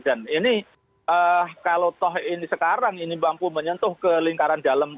dan ini kalau toh ini sekarang ini mampu menyentuh ke lingkaran dalam